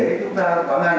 để chúng ta có ngành